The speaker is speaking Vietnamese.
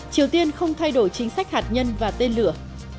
triều tiên không thay đổi chính sách hạt nhân và tên lửa